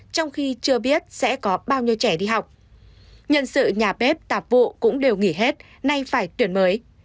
trong khi chưa biết sẽ có bao nhiêu trẻ đi học nhân sự nhà bếp tạp vụ cũng đều nghỉ hết nay phải tuyển mới